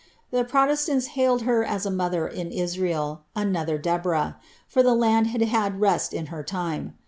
The pro testanis haded her as a mother in Israel — another Deborah ; for the land had had rest in her time.